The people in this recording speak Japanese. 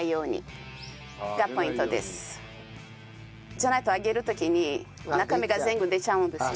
じゃないと揚げる時に中身が全部出ちゃうんですよ。